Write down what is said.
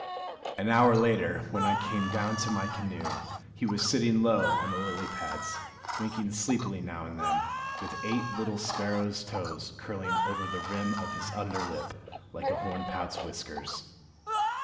An hour later, when I came down to my canoe, he was sitting low on the lily pads, winking sleepily now and then, with eight little sparrow's toes curling over the rim of his under lip, like a hornpout's whiskers.